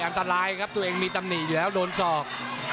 อันตรายครับตัวเองมีตำหนิอยู่แล้วโดนศอก